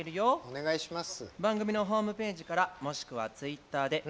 お願いします。